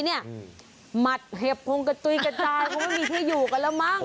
หมัดเห็บพงกระจุยกระจายคงไม่มีที่อยู่กันแล้วมั้ง